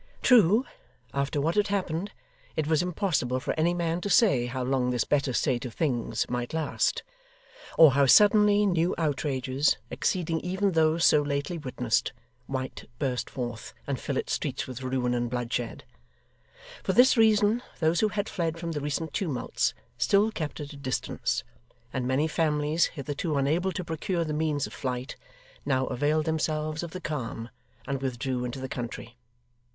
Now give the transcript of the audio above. True, after what had happened, it was impossible for any man to say how long this better state of things might last, or how suddenly new outrages, exceeding even those so lately witnessed, might burst forth and fill its streets with ruin and bloodshed; for this reason, those who had fled from the recent tumults still kept at a distance, and many families, hitherto unable to procure the means of flight, now availed themselves of the calm, and withdrew into the country.